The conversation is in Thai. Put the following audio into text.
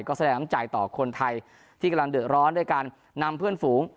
ก็แสดงน้ำใจต่อคนไทยที่กำลังเดือดร้อนด้วยการนำเพื่อนฝูง